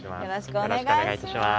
よろしくお願いします。